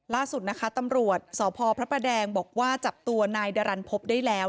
ล่าสุดนะคะตำรวจสพพระประแดงบอกว่าจับตัวนายดารันพบได้แล้ว